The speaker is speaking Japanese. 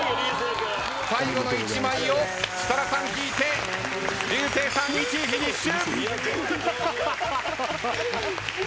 最後の１枚を設楽さん引いて竜星さん１位フィニッシュ。